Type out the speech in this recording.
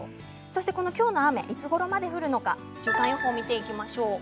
きょうの雨、いつごろまで降るのか週間予報を見ていきましょう。